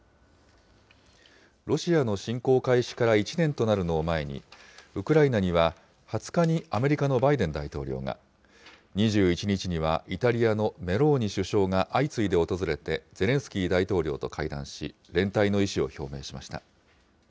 ロシアの侵攻開始から１年となるのを前に、ウクライナには、２０日にアメリカのバイデン大統領が、２１日にはイタリアのメローニ首相が相次いで訪れて、ゼレンスキー大統領と会談し、連帯の意思を表明しました。